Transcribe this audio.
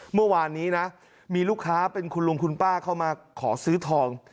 เมื่อวานนี้นะมีลูกค้าเป็นคุณลุงคุณป้าเข้ามาขอซื้อทอง